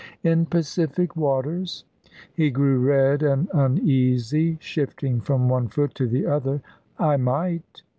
"In Pacific waters?" He grew red and uneasy, shifting from one foot to the other. "I might."